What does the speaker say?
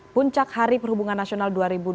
puncak hari perhubungan nasional dua ribu dua puluh